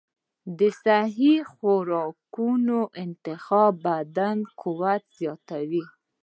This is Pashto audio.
د صحي خوراکونو انتخاب د بدن قوت زیاتوي.